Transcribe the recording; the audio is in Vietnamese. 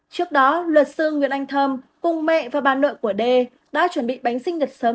trước đó luật sư nguyễn anh thơm cùng mẹ và bà nội của d đã chuẩn bị bánh sinh nhật sớm